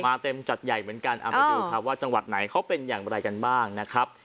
เต็มจัดใหญ่เหมือนกันเอามาดูครับว่าจังหวัดไหนเขาเป็นอย่างไรกันบ้างนะครับ